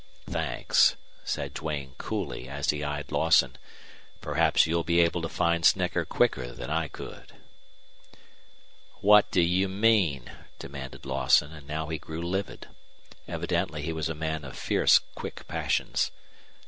"Thanks," said Duane, coolly, as he eyed Lawson. "Perhaps you'll be able to find Snecker quicker than I could." "What do you mean?" demanded Lawson, and now he grew livid. Evidently he was a man of fierce quick passions.